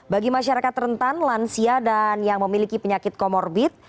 bagi masyarakat rentan lansia dan yang memiliki penyakit komorbit